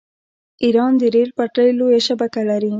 ایران د ریل پټلۍ لویه شبکه لري.